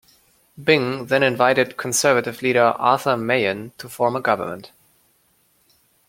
Byng then invited Conservative leader Arthur Meighen to form a government.